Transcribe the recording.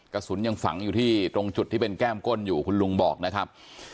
กระสุนยังฝังอยู่ที่ตรงจุดที่เป็นแก้มก้นอยู่คุณลุงบอกนะครับ